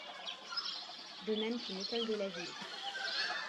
De même qu’une école de la ville.